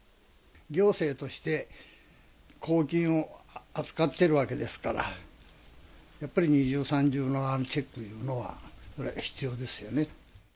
行政として、公金を扱ってるわけですから、やっぱり二重三重のチェックいうのは、それは必要ですよね。